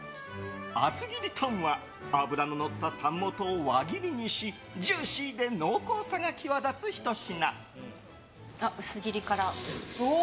薄切りタンは脂ののったタン元を輪切りにしジューシーで濃厚さが際立つ薄切りから。